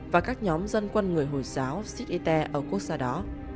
và các nhóm dân quân người hồi giáo sidi teh ở quốc gia đó